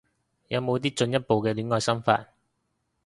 有冇啲進一步嘅戀愛心法